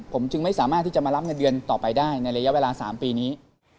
ผมจึงไม่สามารถที่จะมารับเงินเดือนต่อไปได้ในระยะเวลา๓ปีนี้